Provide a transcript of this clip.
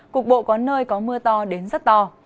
cục bộ có nơi có mưa to đến rất to